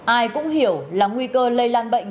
ai cũng hiểu là nguy cơ lây lan bệnh